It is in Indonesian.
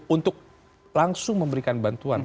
untuk langsung memberikan bantuan